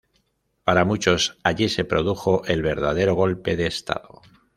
Para muchos, allí se produjo el verdadero golpe de Estado.